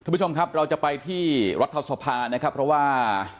คุณผู้ชมครับเราจะไปที่รัฐสภานะครับเพราะว่า